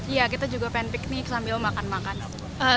iya kita juga pengen piknik sambil makan makan